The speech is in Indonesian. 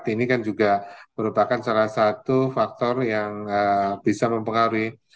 ini kan juga merupakan salah satu faktor yang bisa mempengaruhi